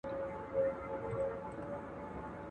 د اولس برخه !.